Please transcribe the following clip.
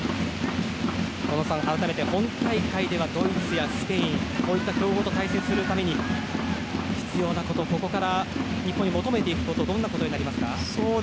小野さん、改めて本大会ではドイツやスペインこういった強豪と対戦するために必要なことここから日本に求めていくことどんなことになりますか？